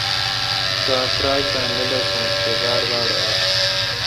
کاں تراچ دا نہ لسونس تے باڑ باڑ انس